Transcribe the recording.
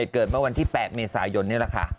เกิดเมื่อวันที่๘เมษายนนี่แหละค่ะ